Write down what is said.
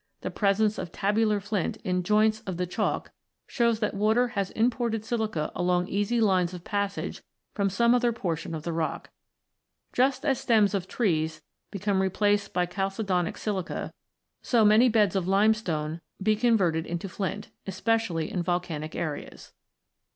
The presence of tabular flint in joints of the Chalk shows that water has imported silica along easy lines of passage from some other portion of the rock. Just as stems of trees become replaced by chalcedonic silica, so may beds of limestone be converted into flint, especially in volcanic areas.